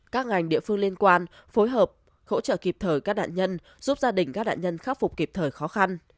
các ngành địa phương liên quan phối hợp hỗ trợ kịp thời các nạn nhân giúp gia đình các nạn nhân khắc phục kịp thời khó khăn